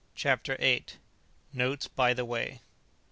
CHAPTER VIII. NOTES BY THE WAY.